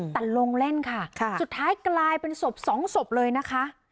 แต่ลงเล่นค่ะสุดท้ายกลายเป็นศพสองศพเลยนะคะ